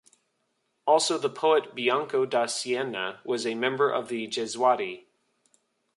Also the poet Bianco da Siena was a member of the Jesuati.